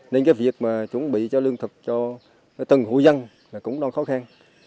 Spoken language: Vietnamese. nên việc chuẩn bị lương thực cho từng hộ dân cũng đang khó khăn